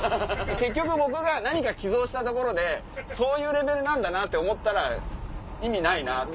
結局僕が何か寄贈したところでそういうレベルだなって思ったら意味ないなって。